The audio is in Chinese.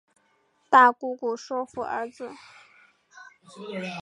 大姑姑说服儿子